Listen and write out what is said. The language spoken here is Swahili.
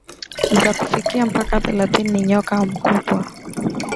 za kufikia mpaka thelathini Ni nyoka mkubwa